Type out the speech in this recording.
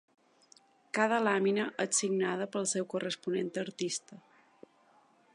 Cada làmina és signada pel seu corresponent artista.